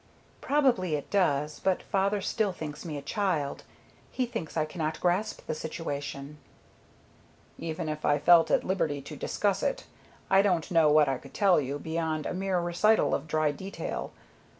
"Probably it does, but father still thinks me a child. He thinks I cannot grasp the situation." "Even if I felt at liberty to discuss it, I don't know what I could tell you beyond a mere recital of dry detail.